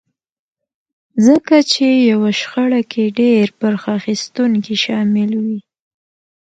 ځکه چې يوه شخړه کې ډېر برخه اخيستونکي شامل وي.